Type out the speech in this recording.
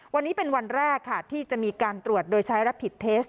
วันนี้เป็นวันแรกค่ะที่จะมีการตรวจโดยใช้รับผิดเทส